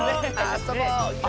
あそぼうよ！